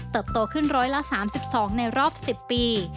โตขึ้นร้อยละ๓๒ในรอบ๑๐ปี